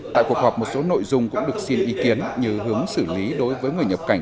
tại cuộc họp một số nội dung cũng được xin ý kiến như hướng xử lý đối với người nhập cảnh